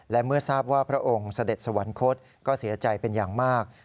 และเมื่อทราบว่าพระองค์เสด็จสวรรคตก็เสียใจเป็นอย่างมาก